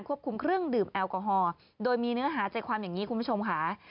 คุมเครื่องดื่มแอลกอฮอล์โดยมีเนื้อหาใจความอย่างนี้คุณผู้ชมค่ะ